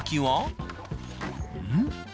うん？